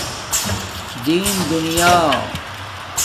دین دُونیا